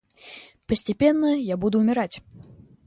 Постепенно я буду умирать.